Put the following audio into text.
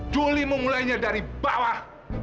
julie mau mulainya dari bawah